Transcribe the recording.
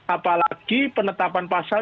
apalagi penetapan pasal